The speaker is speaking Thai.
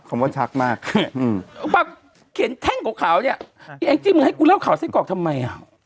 คำว่าชักมากอืมเขียนแท่งของเขาเนี้ยไอ้แองจิมมึงให้กูเล่าข่าวไส้กอกทำไม